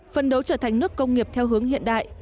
phân đấu trở thành nước công nghiệp theo hướng hiện đại